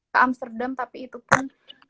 ke amsterdam tapi itu pun